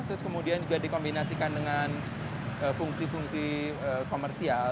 terus kemudian juga dikombinasikan dengan fungsi fungsi komersial